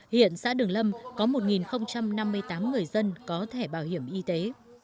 hiện xã đường lâm có một năm mươi tám người dân có thẻ bảo hiểm y tế